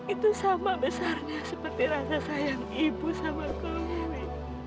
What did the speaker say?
itu sama besarnya seperti rasa sayang ibu sama kau ini